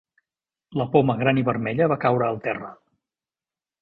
La poma gran i vermella va caure al terra.